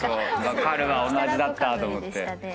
分かるわ同じだったと思って。